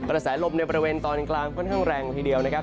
ระสาหรับลมในประเวณตอนกลางค่อนข้างแรงทีเดียวนะครับ